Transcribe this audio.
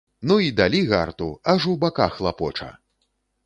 Ну й далі гарту, аж у баках лапоча.